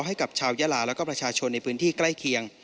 ให้กับชาวยาลาแล้วก็ประชาชนในพื้นที่ใกล้เคียง